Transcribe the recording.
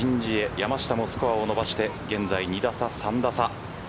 山下もスコアを伸ばして現在２打差、３打差。